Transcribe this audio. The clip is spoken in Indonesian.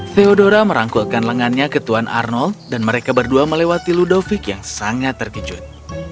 theodora merangkulkan lengannya ke tuan arnold dan mereka berdua melewati ludovic yang sangat terkejut